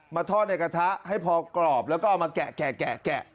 ทอดในกระทะให้พอกรอบแล้วก็เอามาแกะ